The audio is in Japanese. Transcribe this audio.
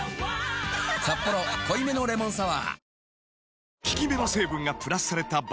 「サッポロ濃いめのレモンサワー」